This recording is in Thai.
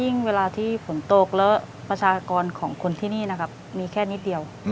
เวลาที่ฝนตกแล้วประชากรของคนที่นี่นะครับมีแค่นิดเดียว